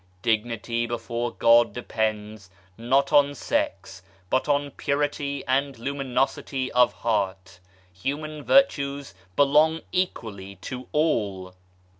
Dignity before God depends, not on sex, but on purity and luminosity of heart. Human virtues belong equally to all